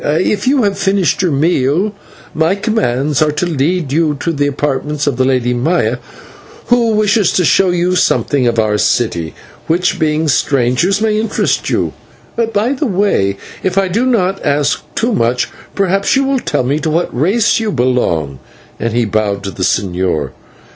"If you have finished your meal, my commands are to lead you to the apartments of the Lady Maya, who wishes to show you something of our city, which, being strangers, may interest you. By the way, if I do not ask too much, perhaps you will tell me to what race you belong," and he bowed towards the señor.